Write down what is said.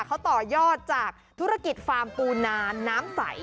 เขาต่อยอดจากธุรกิจฟาร์มปูนาน้ำใส